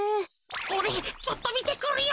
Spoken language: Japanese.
おれちょっとみてくるよ。